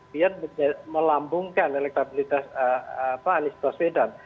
biar melambungkan elektabilitas anies baswedan